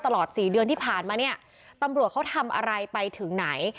ตลอด๔เดือนที่ผ่านมาเนี่ยตำรวจเขาทำอะไรไปถึงไหน